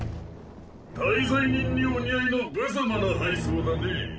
大罪人にお似合いのぶざまな敗走だねぇ。